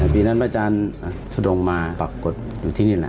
ปีนั้นพระอาจารย์ทุดงมาปรากฏอยู่ที่นี่แหละ